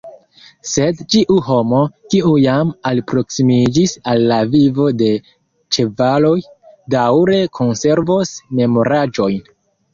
Sed ĉiu homo, kiu jam alproksimiĝis al la vivo de ĉevaloj, daŭre konservos memoraĵojn.